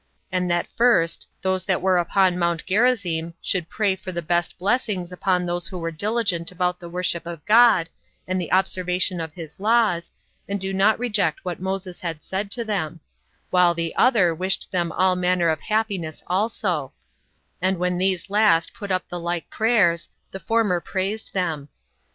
And that first, those that were upon Mount Gerizzim should pray for the best blessings upon those who were diligent about the worship of God, and the observation of his laws, and who did not reject what Moses had said to them; while the other wished them all manner of happiness also; and when these last put up the like prayers, the former praised them.